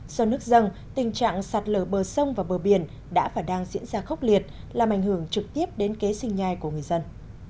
do nước dâng tình trạng sạt lở bờ sông và bờ biển đã và đang diễn ra khốc liệt làm ảnh hưởng trực tiếp đến kế sinh nhai của người dân